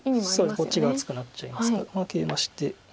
こっちが厚くなっちゃいますからケイマして。